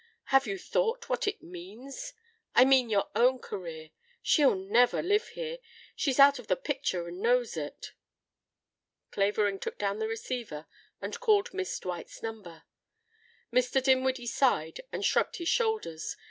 Have you thought what it means? I mean your own career. She'll never live here she's out of the picture and knows it." Clavering took down the receiver and called Miss Dwight's number. Mr. Dinwiddie sighed and shrugged his shoulders.